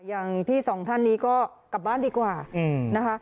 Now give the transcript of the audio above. อย่างพี่สองท่านนี้ก็กลับบ้านดีกว่านะคะ